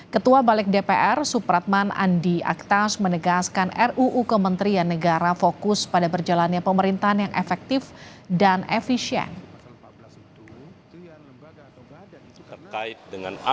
ketua balik dpr supratman andi aktas menegaskan ruu kementerian negara fokus pada berjalannya pemerintahan yang efektif dan efisien